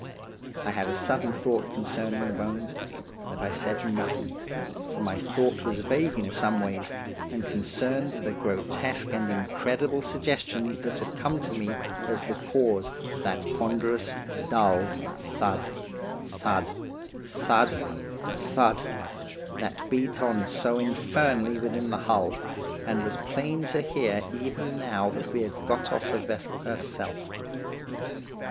I had a sudden thought concerning the bones, but I said nothing, for my thought was vague in some ways, and concerned the grotesque and incredible suggestion that had come to me as to the cause of that ponderous, dull thud, thud, thud thud, that beat on so infernally within the hull, and was plain to hear even now that we had got off the vessel herself.